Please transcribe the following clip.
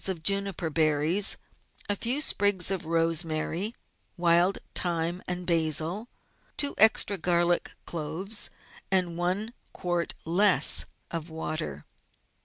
of juniper berries, a few sprigs of rosemary, wild thyme, and basil, two extra garlic cloves, and one quart less of water.